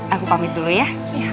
aku pamit dulu ya